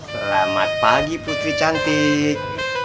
selamat pagi putri cantik